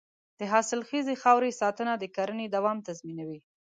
د حاصلخیزې خاورې ساتنه د کرنې دوام تضمینوي.